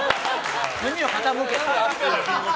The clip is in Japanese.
耳を傾けて。